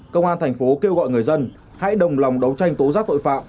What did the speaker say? công an thành phố kêu gọi người dân hãy đồng lòng đấu tranh tố giác tội phạm